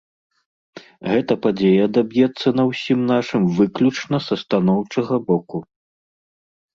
Гэта падзея адаб'ецца на ўсім нашым выключна са станоўчага боку.